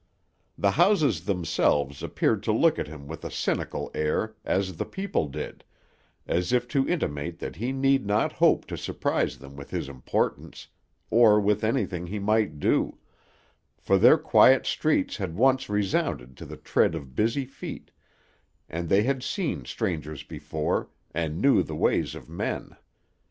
The houses themselves appeared to look at him with a cynical air, as the people did, as if to intimate that he need not hope to surprise them with his importance, or with anything he might do, for their quiet streets had once resounded to the tread of busy feet, and they had seen strangers before, and knew the ways of men.